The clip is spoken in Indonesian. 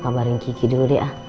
kamu kabarin kiki dulu deh ah